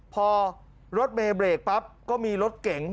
พอรถเมย์เบรกปั๊บก็มีรถเก๋ง